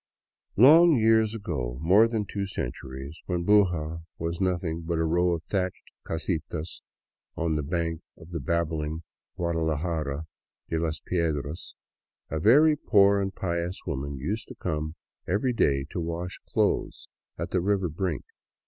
Long years ago, more than two centuries, when Buga was nothing b^t a row of thatched casitas on the bank of the babbling Guadalajara de las Piedras, a very poor and pious woman used to come every day to wash clothes at the river brink.